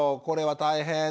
これは大変。